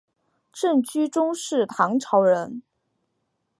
郑居中是唐朝人。